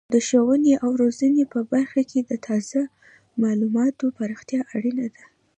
د ښوونې او روزنې په برخه کې د تازه معلوماتو پراختیا اړینه ده.